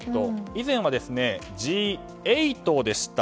以前はＧ８でした。